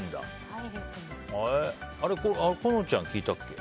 小暖ちゃん聞いたっけ？